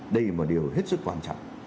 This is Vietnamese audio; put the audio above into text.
đây là một điều hết sức quan trọng